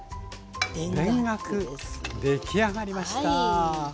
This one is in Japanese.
出来上がりました。